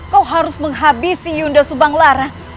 kau harus menghabisi yunda subang lara